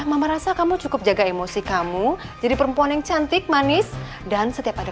mama merasa kamu cukup jaga emosi kamu jadi perempuan yang cantik manis dan setiap ada